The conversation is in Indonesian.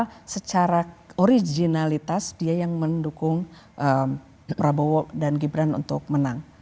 karena secara originalitas dia yang mendukung prabowo dan gibran untuk menang